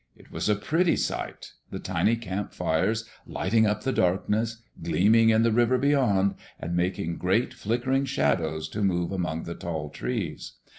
It was a pretty sight: the tiny campfires lighting up the darkness, gleaming in the river beyond, and making great, flickering shadows to move among the tall trees.